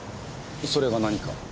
それが何か？